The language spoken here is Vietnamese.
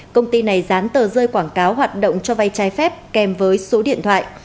công ty này dán tờ rơi quảng cáo hoạt động cho vay trái phép kèm với số điện thoại